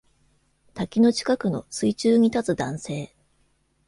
滝の近くの水中に立つ男性